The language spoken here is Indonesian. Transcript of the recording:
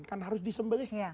kan harus disembeli